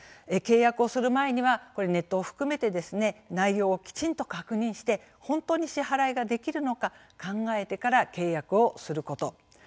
契約をする前にはネットを含めて内容をきちんと確認して本当に支払いができるのか考えてから契約をすること。